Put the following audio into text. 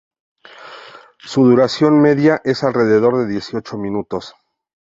Su duración media es de alrededor de dieciocho minutos.